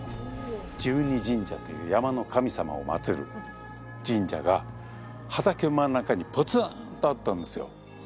十二神社という山の神様を祭る神社が畑の真ん中にポツンとあったんですよ。